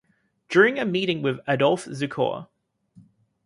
During a meeting with Adolph Zukor.